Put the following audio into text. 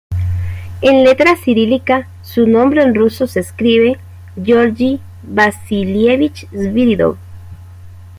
En letra cirílica, su nombre en ruso se escribe Гео́ргий Васи́льевич Свири́дов.